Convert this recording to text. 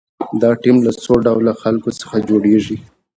دا ټیم له څو ډوله خلکو څخه جوړیږي.